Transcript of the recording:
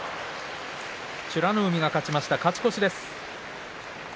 美ノ海が勝ちました勝ち越しです。